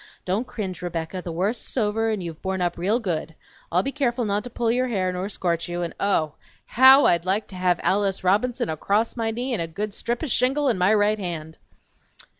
Don't cringe, Rebecca; the worst's over, and you've borne up real good! I'll be careful not to pull your hair nor scorch you, and oh, HOW I'd like to have Alice Robinson acrost my knee and a good strip o' shingle in my right hand!